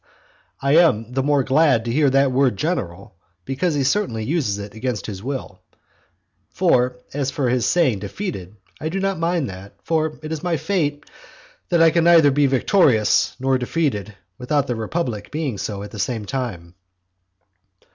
I am the more glad to hear that word "general," because he certainly uses it against his will, for as for his saying "defeated," I do not mind that, for it is my fate that I can neither be victorious nor defeated without the republic being so at the same time.